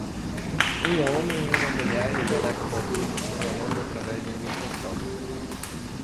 Um homem e uma mulher em jalecos azuis estão olhando através de um microscópio.